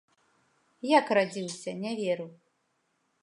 Як радзіўся, не веру.